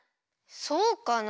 そうかな？